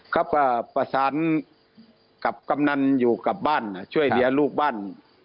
ครับก็ประสานกับกำนันอยู่กับบ้านช่วยเหลือลูกบ้าน